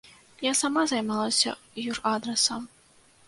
Я сама займалася юрадрасам.